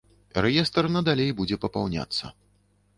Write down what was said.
Рэестр надалей будзе папаўняцца.